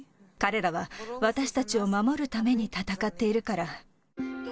彼らは私たちを守るために戦っているから。